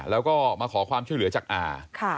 แล้วก็มาขอความช่วยเหลือจากอา